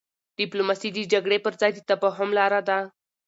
ډيپلوماسي د جګړي پر ځای د تفاهم لار ده.